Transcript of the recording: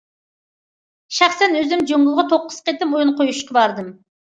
شەخسەن ئۈزۈم جۇڭگوغا توققۇز قېتىم ئويۇن قويۇشقا باردىم.